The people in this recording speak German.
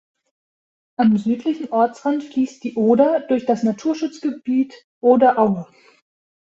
Am südlichen Ortsrand fließt die Oder durch das Naturschutzgebiet Oderaue.